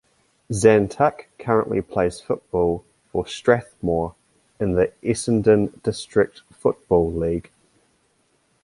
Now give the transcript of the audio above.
Zantuck currently plays football for Strathmore in the Essendon District Football League.